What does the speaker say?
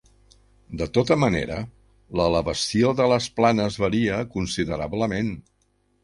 De tota manera, l'elevació de les planes varia considerablement.